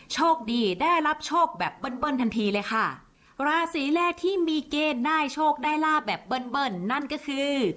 โชคดีได้รับโชคแบบเบิ้ลเบิ้ลทันทีเลยค่ะราศีแรกที่มีเกณฑ์ได้โชคได้ลาบแบบเบิ้ลเบิ้ลนั่นก็คือ